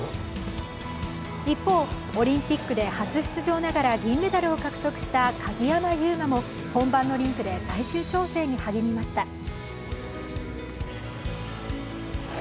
一方、オリンピックで初出場ながら銀メダルを獲得した鍵山優真も本番のリンクで最終調整に励みました。